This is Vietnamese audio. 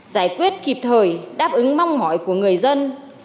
giải quyết kịp thời đáp ứng mong mỏi của người dân